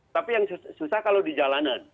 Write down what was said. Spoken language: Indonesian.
tapi yang susah kalau di jalanan